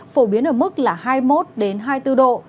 phổ biến ở mức là hai mươi một hai mươi bốn độ